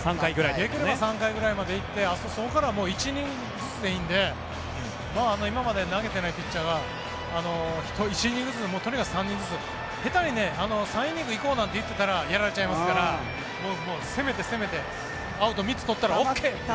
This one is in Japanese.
できれば３回ぐらいまで行ってそこからは１イニングずつでいいので今まで投げてないピッチャーが１イニングずつでもとにかく３人ずつ下手に３イニング行こうなんて言ってたらやられちゃいますから攻めて、攻めてアウト３つ取ったらＯＫという。